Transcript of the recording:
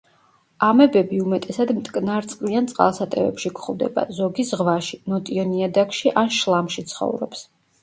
ამებები უმეტესად მტკნარწყლიან წყალსატევებში გვხვდება, ზოგი ზღვაში, ნოტიო ნიადაგში ან შლამში ცხოვრობს.